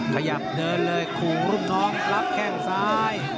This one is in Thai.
ขยับเดินเลยขู่รุ่นน้องรับแข้งซ้าย